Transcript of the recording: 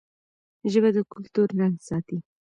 ژبه د کلتور رنګ ساتي.